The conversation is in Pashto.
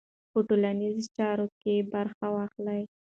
په ټولنیزو چارو کې برخه واخلئ.